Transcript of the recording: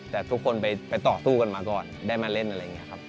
แต่ทุกคนไปต่อสู้กันมาก่อนได้มาเล่นอะไรอย่างนี้ครับ